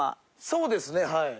そうですねはい。